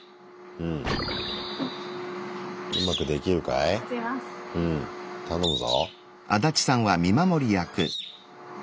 うん頼むぞ。